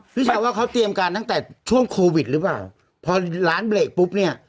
พี่ชาวว่าเขาเตรียมการตั้งแต่ช่วงโควิดหรือเปล่าพอร้านเบรกปุ๊บเนี่ย